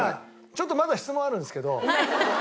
ちょっとまだ質問あるんですけど。